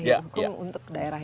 hukum untuk daerah ini